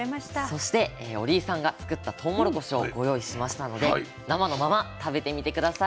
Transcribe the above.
そして折井さんが作ったとうもろこしをご用意しましたので生のまま食べてみて下さい。